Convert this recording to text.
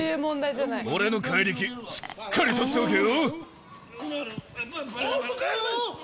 俺の怪力、しっかり撮っておけよ。